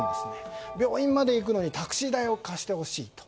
病院まで行くのにタクシー代を貸してほしいと。